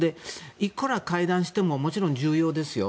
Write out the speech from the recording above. いくら会談してももちろん重要ですよ。